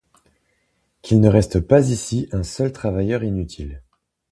Qu'il ne reste pas ici un seul travailleur inutile.